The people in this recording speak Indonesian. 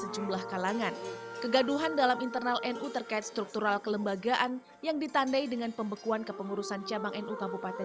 jangan lupa like share dan subscribe ya